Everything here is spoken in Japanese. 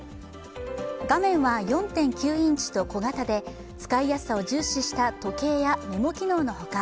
画面は４．９インチと小型で使いやすさを重視した時計やメモ機能の他